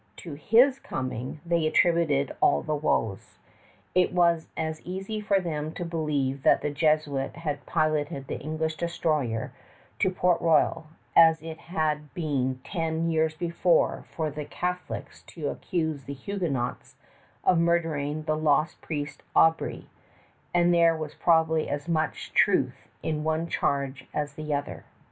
To his coming they attributed all the woes. It was as easy for them to believe that the Jesuit had piloted the English destroyer to Port Royal, as it had been ten years before for the Catholics to accuse the Huguenots of murdering the lost priest Aubry; and there was probably as much truth in one charge as the other.